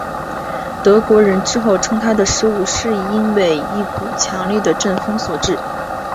德国人之后称他的失误是因为一股强烈的阵风所致。